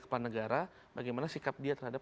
kepala negara bagaimana sikap dia terhadap